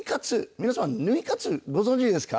皆さん、ぬい活ご存じですか。